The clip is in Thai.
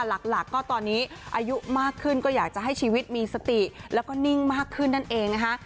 หลักก็ตอนนี้อายุมากขึ้นก็อยากจะให้ชีวิตมีสติแล้วก็นิ่งมากขึ้นนั่นเองนะคะ